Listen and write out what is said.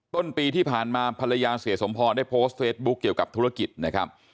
ต้นปีที่ผ่านมาภรรยาเสียสมพรได้โพสต์เฟซบุ๊คเกี่ยวกับธุรกิจนะครับ